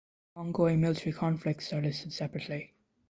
Ongoing military conflicts are listed separately.